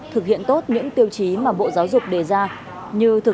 thực hiện tốt những tiêu chí mà bộ giáo dục đề ra như thực